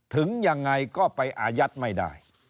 ถึงยังไงก็ไปอายัดไม่ได้